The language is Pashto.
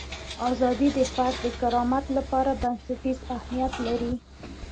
ازادي د فرد د کرامت لپاره بنسټیز اهمیت لري.